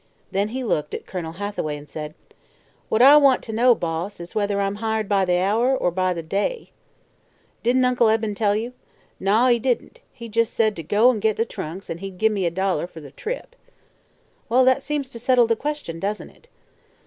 Then he looked at Colonel Hathaway and said: "What I want t' know, Boss, is whether I'm hired by the hour, er by the day?" "Didn't Uncle Eben tell you?" "Naw, he didn't. He jes' said t' go git the trunks an' he'd gimme a dollar fer the trip." "Well, that seems to settle the question, doesn't it!"